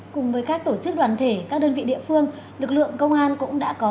cùng với các tổ chức đoàn thể các đơn vị địa phương lực lượng công an cũng đã có